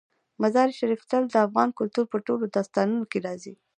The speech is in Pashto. مزارشریف تل د افغان کلتور په ټولو داستانونو کې راځي.